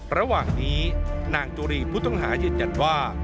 ระหว่างนี้นางจุรีผู้ต้องหายืนยันว่า